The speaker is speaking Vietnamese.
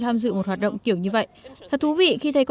tham dự một hoạt động kiểu như vậy thật thú vị khi thấy có